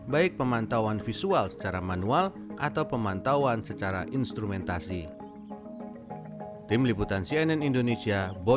baik pemantauan visual secara manual atau pemantauan secara instrumentasi